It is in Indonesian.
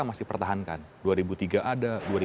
masih pertahankan dua ribu tiga ada